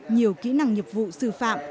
nhiều kỹ năng nhập vụ sư phạm